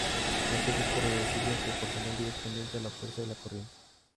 Este efecto reversible es proporcional directamente a la fuerza de la corriente.